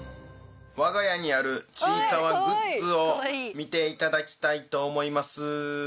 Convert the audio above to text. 我が家にある『ちいかわ』グッズを見て頂きたいと思います！